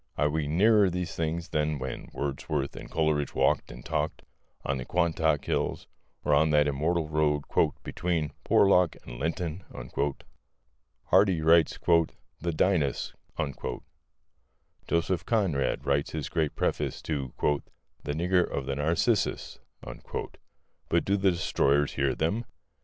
Are we nearer these things than when Wordsworth and Coleridge walked and talked on the Quantock Hills or on that immortal road "between Porlock and Linton"? Hardy writes "The Dynasts," Joseph Conrad writes his great preface to "The Nigger of the Narcissus," but do the destroyers hear them?